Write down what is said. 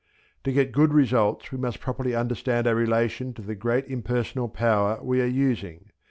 To get good results we must properly understand our relation to the great impersonal power we are using.